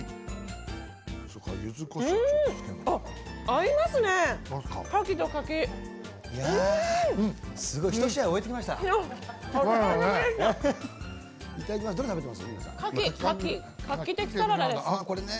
合いますね！